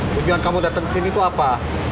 tujuan kamu datang sini tuh apa